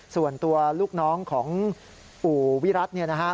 ส่วนตัวลูกน้องของอู่วิรัติเนี่ยนะฮะ